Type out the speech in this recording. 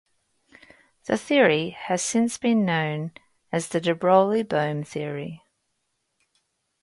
The theory has since been known as the De Broglie-Bohm theory.